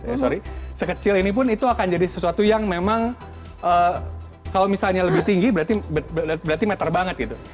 eh sorry sekecil ini pun itu akan jadi sesuatu yang memang kalau misalnya lebih tinggi berarti meter banget gitu